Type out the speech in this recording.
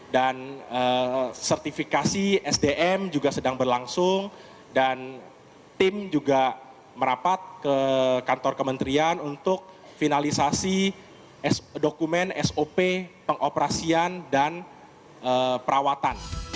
dan sertifikasi sdm juga sedang berlangsung dan tim juga merapat ke kantor kementerian untuk finalisasi dokumen sop pengoperasian dan perawatan